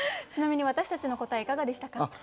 ちなみに私たちの答えいかがでしたか？